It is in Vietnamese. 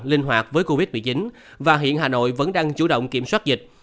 linh hoạt với covid một mươi chín và hiện hà nội vẫn đang chủ động kiểm soát dịch